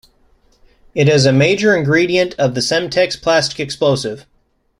It is a major ingredient of the Semtex plastic explosive.